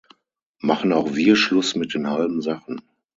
Machen auch wir Schluss mit den halben Sachen!